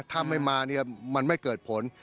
ถ้าไม่มามันไม่เกิดผล